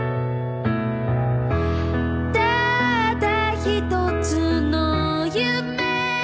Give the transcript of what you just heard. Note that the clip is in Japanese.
「ただひとつの夢」